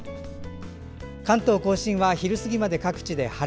関東・甲信は昼過ぎまで各地で晴れ。